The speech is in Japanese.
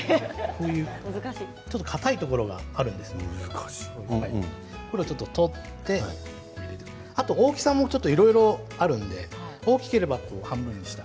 ちょっとかたいところがあるんですよ、これを取ってあと大きさもいろいろあるので大きければ半分にして。